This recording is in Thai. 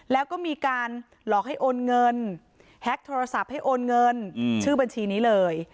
แล้วก็มีการหลอกให้โอนเงินแฮ็กโทรศัพท์ให้โอนเงินชื่อบัญชีนี้เลย